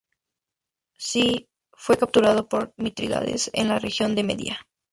C fue capturado por Mitrídates en la región de Media.